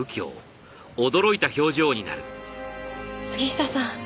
杉下さん